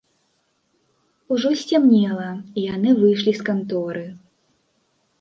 Ужо сцямнела, і яны выйшлі з канторы.